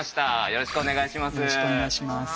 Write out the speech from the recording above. よろしくお願いします。